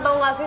tau nggak sih